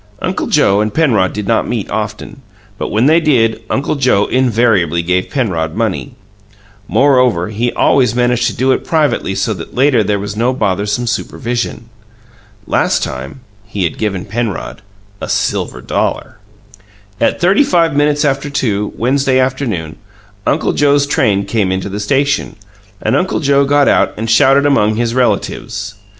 Uncle Joe and Penrod did not meet often, but when they did, Uncle Joe invariably gave Penrod money. Moreover, he always managed to do it privately so that later there was no bothersome supervision. Last time he had given Penrod a silver dollar. At thirty five minutes after two, Wednesday afternoon, Uncle Joe's train came into the station, and Uncle Joe got out and shouted among his relatives.